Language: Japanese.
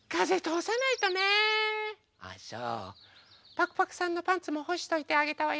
パクパクさんのパンツもほしといてあげたわよ。